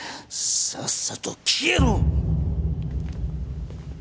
さっさと消えろ！